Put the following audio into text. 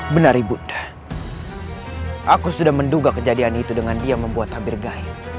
benar ibunda aku sudah menduga kejadian itu dengan dia membuat tabir gaib